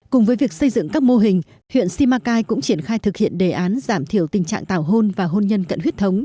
cùng với việc xây dựng các mô hình huyện simacai cũng triển khai thực hiện đề án giảm thiểu tình trạng tảo hôn và hôn nhân cận huyết thống